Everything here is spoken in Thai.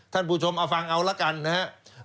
ท่านผู้ชมเอาฟังเอาละกันนะครับ